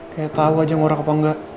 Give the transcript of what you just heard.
kayak tau aja ngorok apa enggak